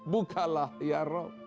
bukalah ya allah